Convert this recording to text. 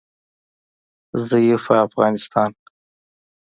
ضعیفه افغانستان